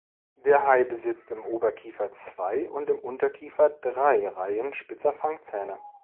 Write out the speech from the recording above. Der Hai besitzt im Oberkiefer zwei und im Unterkiefer drei Reihen spitzer Fangzähne.